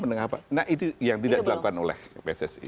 nah itu yang tidak dilakukan oleh pssi